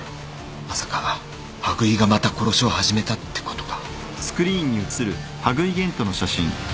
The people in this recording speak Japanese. まさか羽喰がまた殺しを始めたってことか？